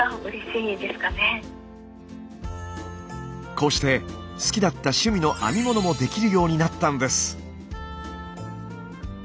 こうして好きだった趣味の編み物もできるようになったんです。